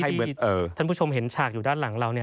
อย่างพื้นที่ท่านผู้ชมเห็นฉากอยู่ด้านหลังเราเนี่ย